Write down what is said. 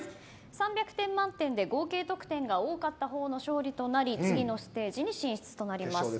３００点満点で合計得点が多かった方が勝利となり次のステージに進出となります。